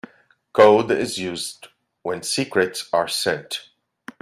Code is used when secrets are sent.